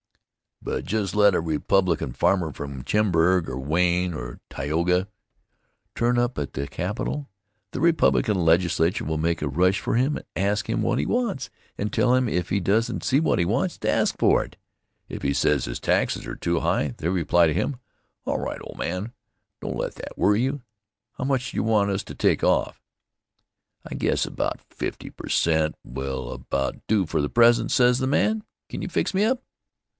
But just let a Republican farmer from Chemung or Wayne or Tioga turn up at the Capital. The Republican Legislature will make a rush for him and ask him what he wants and tell him if he doesn't see what he wants to ask for it. If he says his taxes are too high, they reply to him: "All right, old man, don't let that worry you. How much do you want us to take off?" "I guess about fifty per cent will about do for the present," says the man. "Can you fix me up?"